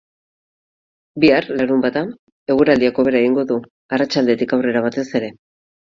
Bihar, larunbata, eguraldiak hobera egingo du, arratsaldetik aurrera batez ere.